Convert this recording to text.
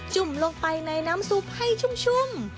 ุ่มลงไปในน้ำซุปให้ชุ่ม